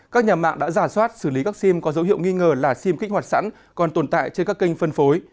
các nhà mạng đã giả soát xử lý các sim có dấu hiệu nghi ngờ là sim kích hoạt sẵn còn tồn tại trên các kênh phân phối